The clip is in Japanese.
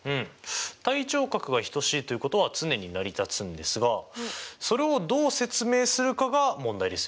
対頂角が等しいということは常に成り立つんですがそれをどう説明するかが問題ですよね。